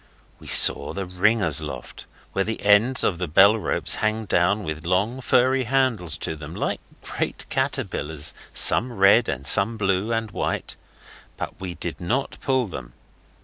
We saw the ringers' loft where the ends of the bellropes hang down with long, furry handles to them like great caterpillars, some red, and some blue and white, but we did not pull them.